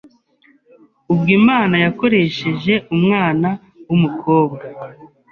Ubwo Imana yakoresheje umwana w’umukobwa